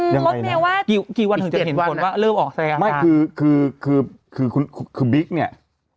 ยังไงนะอีก๑๑วันคือคือบิ๊กเนี่ย